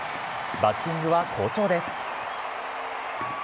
バッティングは好調です。